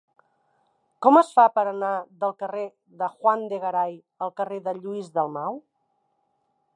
Com es fa per anar del carrer de Juan de Garay al carrer de Lluís Dalmau?